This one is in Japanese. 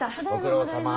ご苦労さま。